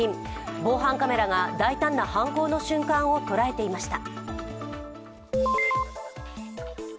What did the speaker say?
防犯カメラが大胆な犯行の瞬間を捉えていました。